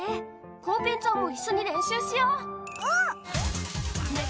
コウペンちゃんも一緒に練習しよう。